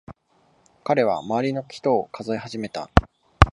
彼は周りの人を数え始めた。